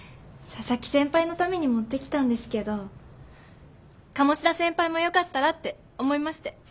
佐々木先輩のために持ってきたんですけど鴨志田先輩もよかったらって思いまして。